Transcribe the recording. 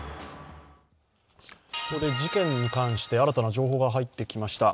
ここで事件に関して新たな情報が入ってきました。